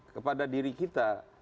kepada diri kita